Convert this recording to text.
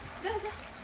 どうぞ。